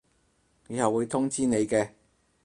以後會通知你嘅